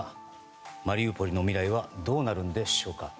マリウポリの未来はどうなるんでしょうか。